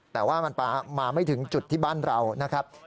แต่ว่ามันมาไม่ถึงจุดที่บ้านเรานะครับ